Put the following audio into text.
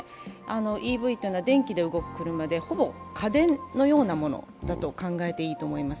ＥＶというのは電気で動く車で、ほぼ家電のようなものだと考えていいと思います。